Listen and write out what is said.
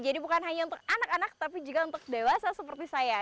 jadi bukan hanya untuk anak anak tapi juga untuk dewasa seperti saya